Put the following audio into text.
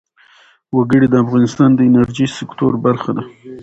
وګړي د افغانستان د انرژۍ سکتور برخه ده.